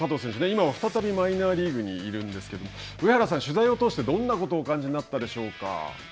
今は再びマイナーリーグにいるんですけれども上原さん、取材を通してどんなことをお感じになったでしょうか。